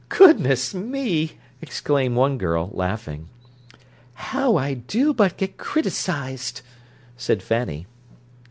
"Goodness me!" exclaimed one girl, laughing. "How I do but get criticised," said Fanny.